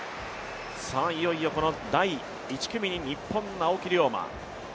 いよいよこの第１組に日本の青木涼真。